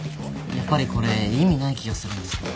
やっぱりこれ意味ない気がするんですけど。